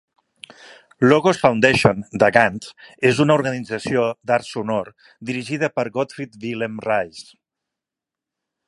Logos Foundation de Gant és una organització d'art sonor dirigida per Godfried-Willem Raes.